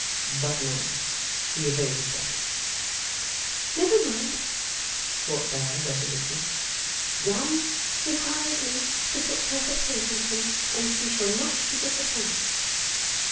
But no, he evaded that. 'Never mind!' thought Bella, resolutely. 'John requires me to put perfect faith in him, and he shall not be disappointed.